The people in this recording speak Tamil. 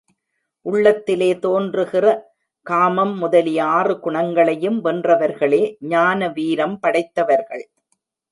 உள்ளத்திலே தோன்றுகிற காமம் முதலிய ஆறு குணங்களையும் வென்றவர்களே ஞான வீரம் படைத்தவர்கள்.